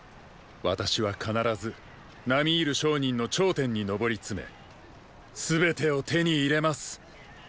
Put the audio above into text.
私は必ず並み居る商人の頂点に登りつめ全てを手に入れます。